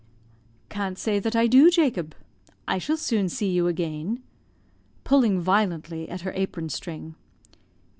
"Can't say that I do, Jacob. I shall soon see you again." (pulling violently at her apron string.)